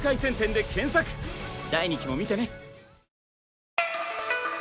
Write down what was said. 第２期も見てね！